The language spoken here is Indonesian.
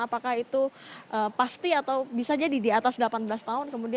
apakah itu pasti atau bisa jadi di atas delapan belas tahun